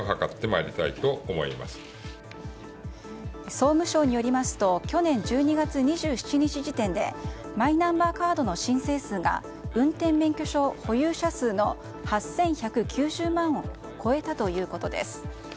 総務省によりますと去年１２月２７日時点でマイナンバーカードの申請数が運転免許証保有者数の８１９０万を超えたということです。